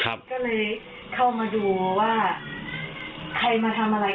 ถ้าคนเห็นเหตุการณ์เขาบอกว่าประมาณ๘โมงเขาจะนั่งบนหลักสาบ้านเมือง